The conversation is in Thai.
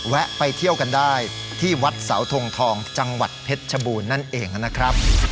แวะไปเที่ยวกันได้ที่วัดเสาทงทองจังหวัดเพชรชบูรณ์นั่นเองนะครับ